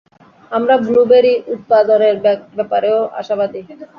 আমরা ব্লুবেরি উৎপাদনের ব্যাপারেও আশাবাদী!